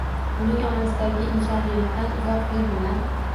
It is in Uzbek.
Uning onasidagi insoniylikdan uzoq fe'l bilan